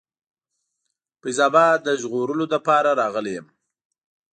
فیض آباد د ژغورلو لپاره راغلی یم.